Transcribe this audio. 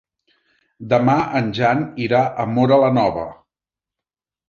Demà en Jan irà a Móra la Nova.